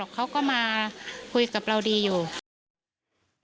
พุ่งเข้ามาแล้วกับแม่แค่สองคน